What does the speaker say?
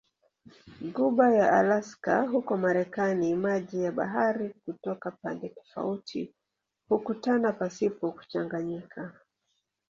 Ghuba ya Alaska huko Marekani maji ya bahari kutoka pande tofauti hukutana pasipo kuchanganyika